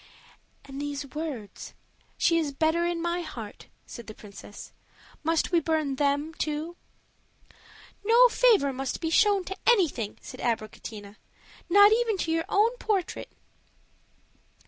"And these words 'She is better in my heart,'" said the princess; "must we burn them too?" "No favor must be shown to anything," said Abricotina, "not even to your own portrait."